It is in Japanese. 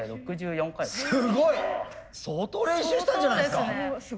すごい！相当練習したんじゃないですか？